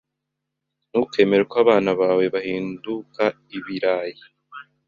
Ntukemere ko abana bawe bahinduka ibirayi.